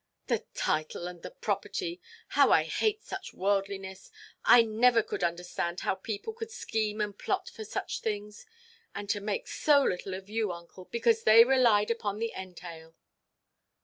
The title and the property! How I hate such worldliness. I never could understand how people could scheme and plot for such things. And to make so little of you, uncle, because they relied upon the entail!"